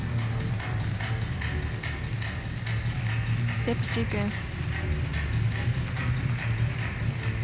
ステップシークエンス。